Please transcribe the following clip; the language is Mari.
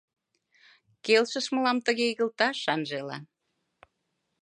Келшыш мылам тыге игылташ, Анжела.